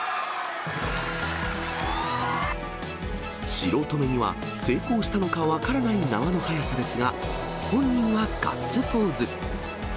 素人目には、成功したのか分からない縄の速さですが、本人はガッツポーズ。